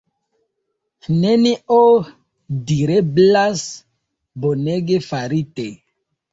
Nenio direblas, bonege farite!